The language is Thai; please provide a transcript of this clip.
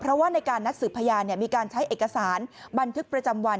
เพราะว่าในการนัดสืบพยานมีการใช้เอกสารบันทึกประจำวัน